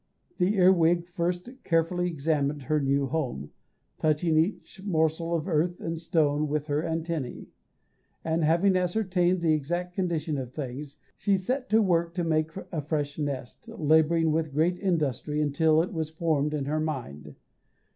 The earwig first carefully examined her new home, touching each morsel of earth and stone with her antennæ; and, having ascertained the exact condition of things, she set to work to make a fresh nest, labouring with great industry until it was formed to her mind.